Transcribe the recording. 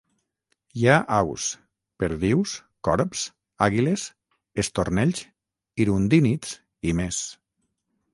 Hi ha aus: perdius, corbs, àguiles, estornells, hirundínids i més.